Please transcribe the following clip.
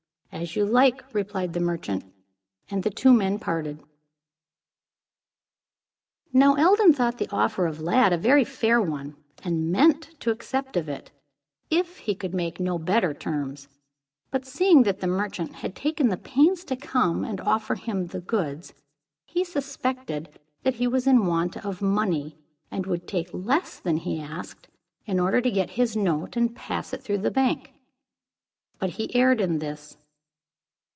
"As you like," replied the merchant. And the two men parted. Now Eldon thought the offer of Lladd a very fair one, and meant to accept of it, if he could make no better terms; but seeing that the merchant had taken the pains to come and offer him the goods, he suspected that he was in want of money, and would take less than he asked, in order to get his note and pass it through bank. But he erred in this.